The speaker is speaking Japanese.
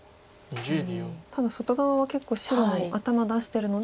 ただ外側は結構白も頭出してるので。